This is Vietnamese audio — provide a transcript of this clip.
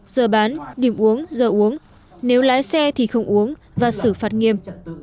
giờ bán điểm uống giờ uống nếu lái xe thì không uống và xử phạt nghiêm